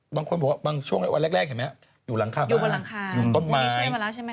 บางวันแรกอยู่หลังคาอยู่ต้นไม้